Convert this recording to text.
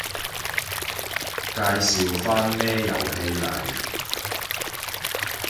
介紹返咩遊戲嚟